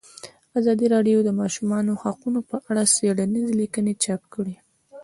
ازادي راډیو د د ماشومانو حقونه په اړه څېړنیزې لیکنې چاپ کړي.